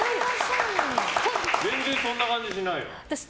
全然そんな感じしないよ。